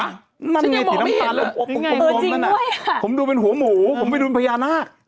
มันไงสีน้ำตาลผมดูเป็นหัวหมูผมไม่ดูเป็นพญานาค